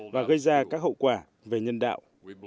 và gây ra các hậu quả về nhân đạo